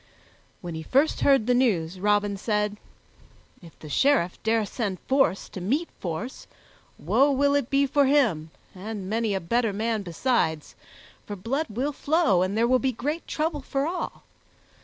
When he first heard the news, Robin said, "If the Sheriff dare send force to meet force, woe will it be for him and many a better man besides, for blood will flow and there will be great trouble for all.